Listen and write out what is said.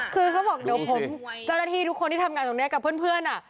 คือเขาบอกเดี๋ยวผมเจ้าหน้าที่ทุกคนที่ทำงานตรงนี้กับเพื่อน